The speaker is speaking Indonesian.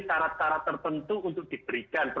syarat syarat tertentu untuk diberikan